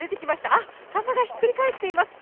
あっ、傘がひっくり返っています。